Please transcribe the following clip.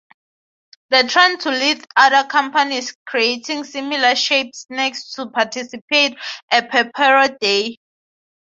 The trend led to other companies creating similar-shaped snacks to participate on Pepero Day.